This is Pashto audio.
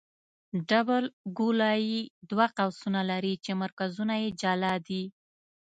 ډبل ګولایي دوه قوسونه لري چې مرکزونه یې جلا دي